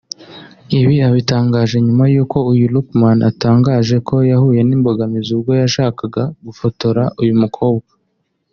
Ibi abitangaje nyuma y’uko uyu Luqman atangaje ko yahuye n’imbogamizi ubwo yashakaga gufotora uyu mukobwa